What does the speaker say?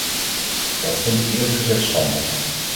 Dat vind ik eerlijk gezegd schande.